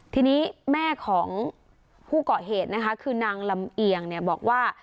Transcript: ทีนี้แม่ของผู้เกาะเหตุนะคะคือนางลำเอียงเนี่ยบอกว่า